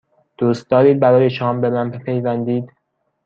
دوست دارید برای شام به من بپیوندید؟